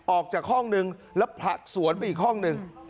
ออกจากห้องนึงแล้วผลักสวนไปอีกห้องหนึ่ง